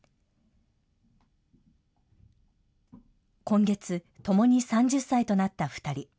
今月、ともに３０歳となった２人。